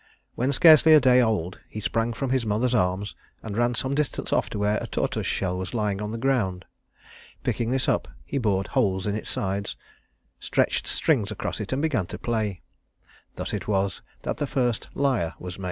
When scarcely a day old, he sprang from his mother's arms, and ran some distance off to where a tortoise shell was lying on the ground. Picking this up, he bored holes in its side, stretched strings across it, and began to play. Thus it was that the first lyre was made.